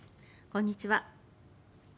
こんにちは。